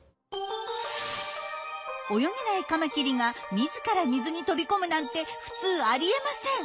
泳げないカマキリが自ら水に飛び込むなんて普通ありえません。